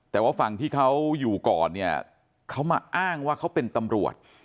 แต่ว่าฝั่งที่เขาอยู่ก่อนเนี่ยเขามาอ้างว่าเขาเป็นตำรวจ